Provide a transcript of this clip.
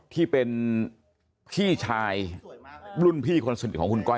ที่เป็นพี่ชายรุ่นพี่คนสนิทของคุณก้อย